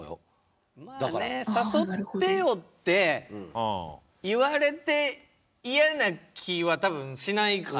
「誘ってよ」って言われて嫌な気は多分しないからね。